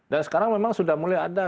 dan sekarang memang sudah mulai ada